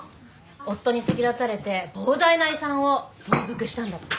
夫に先立たれて膨大な遺産を相続したんだって。